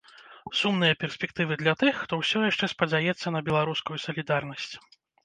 Сумныя перспектывы для тых, хто ўсё яшчэ спадзяецца на беларускую салідарнасць.